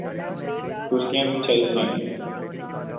کرسیاں بھی چل جائیں۔